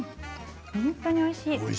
本当においしい。